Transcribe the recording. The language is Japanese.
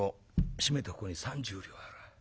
締めてここに３０両ある。